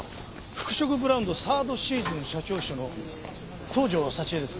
服飾ブランドサードシーズン社長秘書の東条沙知絵です。